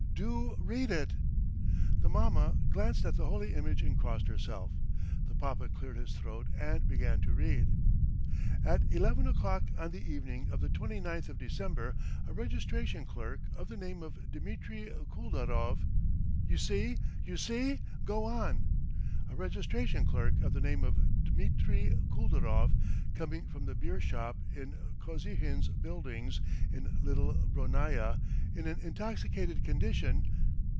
"Do read it!" The mamma glanced at the holy image and crossed herself. The papa cleared his throat and began to read: "At eleven o'clock on the evening of the 29th of December, a registration clerk of the name of Dmitry Kuldarov ..." "You see, you see! Go on!" "... a registration clerk of the name of Dmitry Kuldarov, coming from the beershop in Kozihin's buildings in Little Bronnaia in an intoxicated condition.